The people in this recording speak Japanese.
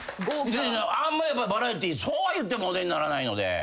やっぱりバラエティーそうは言ってもお出にならないので。